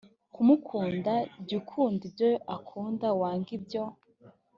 kumukunda jya ukunda ibyo akunda wange ibyo